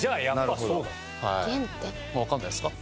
わかんないですか？